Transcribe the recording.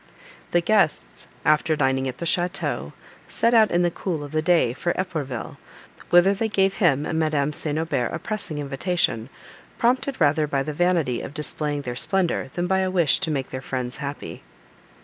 The guests, after dining at the château, set out in the cool of the day for Epourville, whither they gave him and Madame St. Aubert a pressing invitation, prompted rather by the vanity of displaying their splendour, than by a wish to make their friends happy.